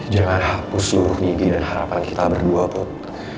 jangan hapus seluruh mimpi dan harapan kita berdua put